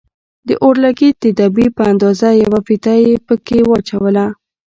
د اورلګيت د دبي په اندازه يوه فيته يې پکښې واچوله.